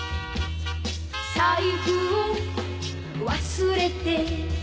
「財布を忘れて」